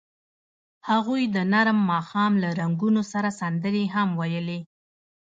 هغوی د نرم ماښام له رنګونو سره سندرې هم ویلې.